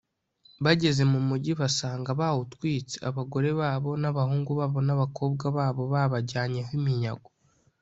Bageze mu mugi basanga bawutwitse abagore babo n abahungu babo n abakobwa babo babajyanye ho iminyago